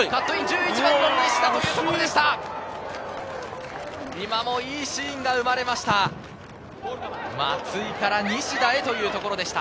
１１番・西田というところでした。